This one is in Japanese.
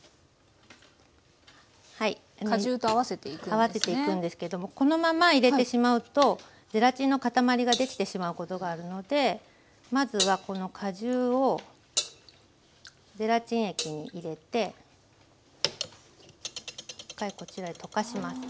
合わせていくんですけどもこのまま入れてしまうとゼラチンのかたまりができてしまうことがあるのでまずはこの果汁をゼラチン液に入れて１回こちらへ溶かします。